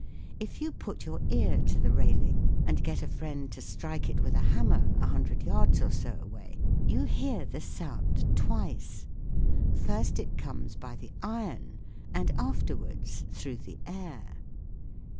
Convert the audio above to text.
If you put your ear to the railing and get a friend to strike it with a hammer a hundred yards or so away, you hear the sound twice ; first it comes by the iron and afterwards through the air.